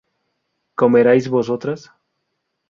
¿comierais vosotras?